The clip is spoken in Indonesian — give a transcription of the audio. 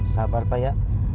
sabar pak ya